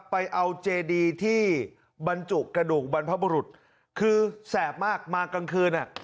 ไปเอาเจดีที่บรรจุกระดูกบรรพบุรุษคือแสบมากมากลางคืนอ่ะ